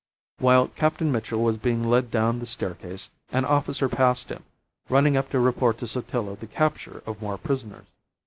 While Captain Mitchell was being led down the staircase, an officer passed him, running up to report to Sotillo the capture of more prisoners.